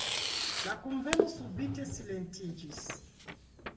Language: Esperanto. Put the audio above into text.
La kunveno subite silentiĝis.